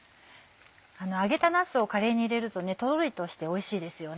揚げたなすをカレーに入れるととろりとしておいしいですよね。